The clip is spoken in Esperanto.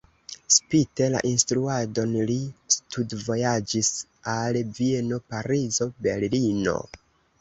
Spite la instruadon li studvojaĝis al Vieno, Parizo, Berlino.